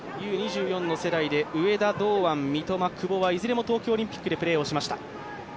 Ｕ−２４の世代で上田、堂安、三笘、久保はいずれも東京オリンピックでプレーしました。